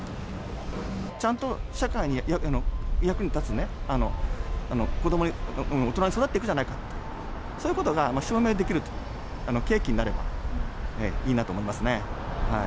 ちゃんと社会に役に立つ子どもに、大人に育っていくじゃないかと、そういうことが証明できる契機になればいいなと思いますね。